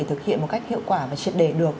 thực hiện một cách hiệu quả và triệt đề được